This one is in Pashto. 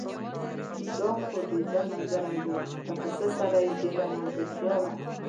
دا خو دده ملګری و، له پسه سره یې ډېره ملګرتیا وه.